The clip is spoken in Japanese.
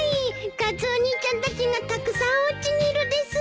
カツオ兄ちゃんたちがたくさんおうちにいるです！